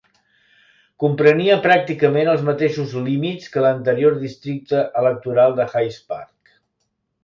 Comprenia pràcticament els mateixos límits que l'anterior districte electoral de High Park.